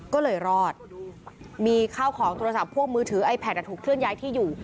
ก็เลยรอดมีข้าวของโทรศัพท์พวกมือถือไอแพทถูกเคลื่อนย้ายที่อยู่